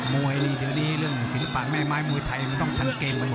มวยนี่เดี๋ยวนี้เรื่องศิลปะแม่ไม้มวยไทยมันต้องทันเกมไปเลย